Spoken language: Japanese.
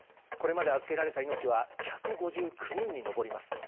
これまで預けられた命は１５９人に上ります。